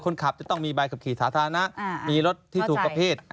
คนขับจะต้องมีใบขับขี่สาธารณะมีรถที่ถูกประเภท